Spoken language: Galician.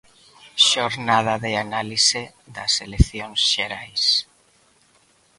Xornada de análise das eleccións xerais.